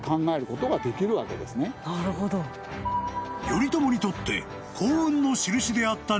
［頼朝にとって］